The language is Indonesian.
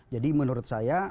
jadi menurut saya